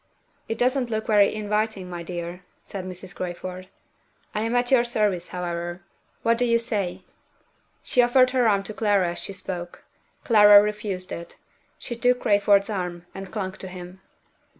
"It doesn't look very inviting, my dear," said Mrs. Crayford. "I am at your service, however. What do you say?" She offered her arm to Clara as she spoke. Clara refused it. She took Crayford's arm, and clung to him.